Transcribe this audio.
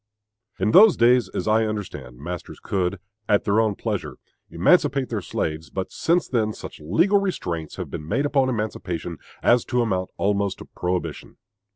In those days, as I understand, masters could, at their own pleasure, emancipate their slaves; but since then such legal restraints have been made upon emancipation as to amount almost to prohibition.